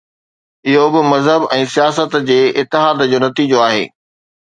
اهو به مذهب ۽ سياست جي اتحاد جو نتيجو آهي.